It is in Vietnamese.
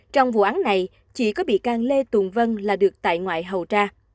trong vụ án này chỉ có bị can lê tùng vân là được tại ngoại hầu tra